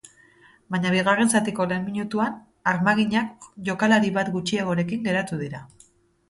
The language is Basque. Baina bigarren zatiko lehen minutuan, armaginak jokalari bat gutxiagorekin geratu dira.